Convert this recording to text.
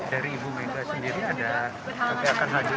dari ibu mega sendiri ada kebanyakan hadiah